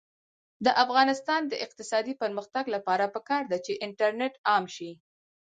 د افغانستان د اقتصادي پرمختګ لپاره پکار ده چې انټرنیټ عام شي.